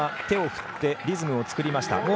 手を振ってリズムを作りました。